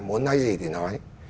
bà muốn nói gì thì nói